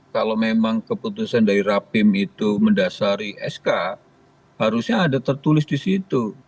kalau memang keputusan dari rapim itu mendasari sk harusnya ada tertulis di situ